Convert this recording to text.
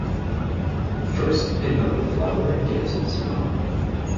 The first to pick up the flower, gets its smell.